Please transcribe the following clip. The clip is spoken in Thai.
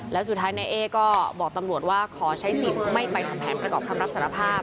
แล้วสุดท้ายนายเอ๊ก็บอกตำรวจว่าขอใช้สิทธิ์ไม่ไปทำแผนประกอบคำรับสารภาพ